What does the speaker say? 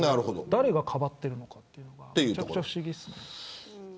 誰がかばってるのかというのはめちゃくちゃ不思議です。